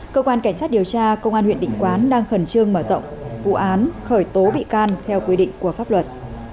cơ quan cảnh sát điều tra công an huyện định quán đang khẩn trương mở rộng vụ án khởi tố bị can theo quy định của pháp luật